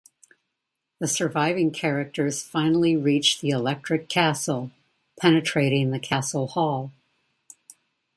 The surviving characters finally reach the Electric Castle, penetrating the Castle Hall.